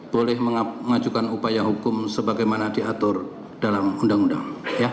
boleh mengajukan upaya hukum sebagaimana diatur dalam undang undang